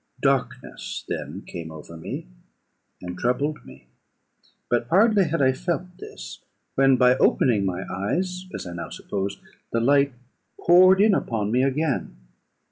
Darkness then came over me, and troubled me; but hardly had I felt this, when, by opening my eyes, as I now suppose, the light poured in upon me again.